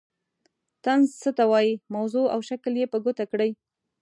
طنز څه ته وايي موضوع او شکل یې په ګوته کړئ.